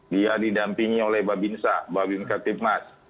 dia didampingi oleh babinsa babinsa timas